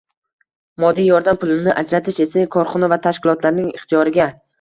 Moddiy yordam pulini ajratish esa korxona va tashkilotlarning ixtiyoriga